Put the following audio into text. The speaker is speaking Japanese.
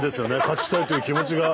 勝ちたいという気持ちが。